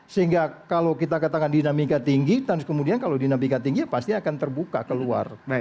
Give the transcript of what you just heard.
sehingga kalau kita katakan dinamika tinggi terus kemudian kalau dinamika tinggi ya pasti akan terbuka keluar